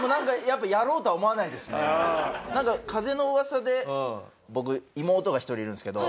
でも風の噂で僕妹が１人いるんですけど